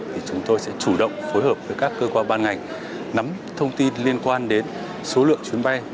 thì chúng tôi sẽ chủ động phối hợp với các cơ quan ban ngành nắm thông tin liên quan đến số lượng chuyến bay